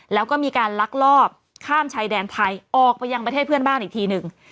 แล้วก็มีการลักลอบข้ามชายแดนไทยออกไปยังประเทศเพื่อนบ้านอีกทีหนึ่ง